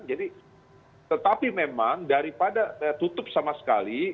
jadi tetapi memang daripada tutup sama sekali